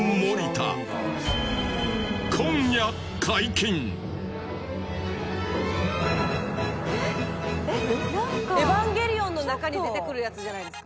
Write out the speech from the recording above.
今夜『エヴァンゲリオン』の中に出てくるやつじゃないですか。